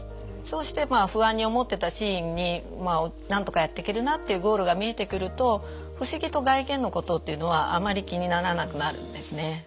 そうして不安に思ってたシーンになんとかやっていけるなっていうゴールが見えてくると不思議と外見のことっていうのはあんまり気にならなくなるんですね。